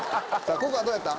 ここあどうやった？